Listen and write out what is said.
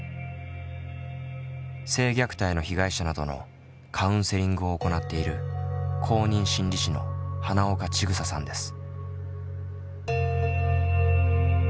性虐待の被害者などのカウンセリングを行っている公認心理師の花丘ちぐささんです。